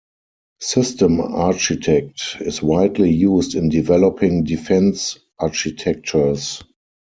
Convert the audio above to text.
System Architect is widely used in developing defense architectures.